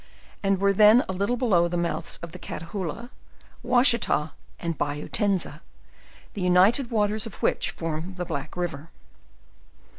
and were then a little below the mouths of the Catahoola, Washita, and Bayou Tenza, the united waters of which form the Black river.